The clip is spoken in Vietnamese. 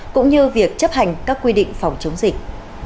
cũng như việc chấp hành các quy định phòng chống dịch